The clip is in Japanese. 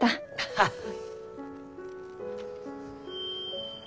ハハハ。